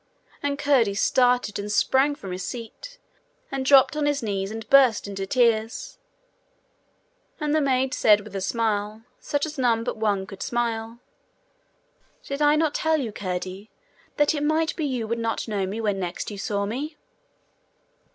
And Curdie started, and sprang from his seat, and dropped on his knees, and burst into tears. And the maid said with a smile, such as none but one could smile: 'Did I not tell you, Curdie, that it might be you would not know me when next you saw me?'